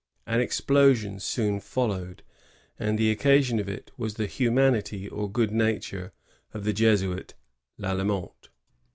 An explosion soon followed; and the occasion of it was the humanity or good nature of the Jesuit Lalemant.